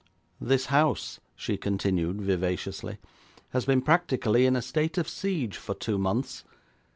'This house,' she continued vivaciously, 'has been practically in a state of siege for two months.